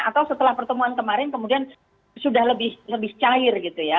atau setelah pertemuan kemarin kemudian sudah lebih cair gitu ya